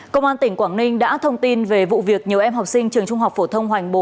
công an tỉnh quảng ninh đã thông tin về vụ việc nhiều em học sinh trường trung học phổ thông hoành bồ